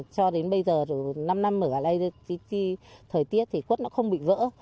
cho đến bây giờ năm năm ở đây thời tiết thì quất nó không bị vỡ